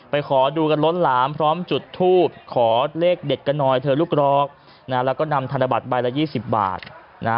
ขอดูกันล้นหลามพร้อมจุดทูบขอเลขเด็ดกันหน่อยเธอลูกร้องนะแล้วก็นำธนบัตรใบละ๒๐บาทนะ